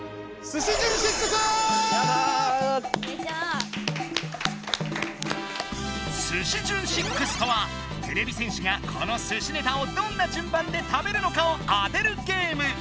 「すし順シックス」とはてれび戦士がこのすしネタをどんな順番で食べるのかを当てるゲーム。